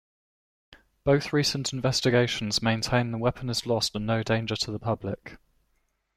Both recent investigations maintain the weapon is lost and no danger to the public.